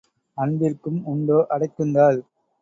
அன்பிற்கும் உண்டோ அடைக்குந்தாழ்